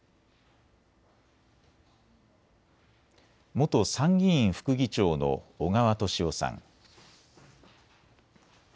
元参議院副議長の小川敏夫さん。